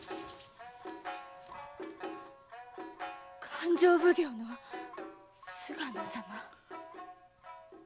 勘定奉行の菅野様。